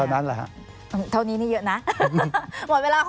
แน่นตอนนั้นแหละ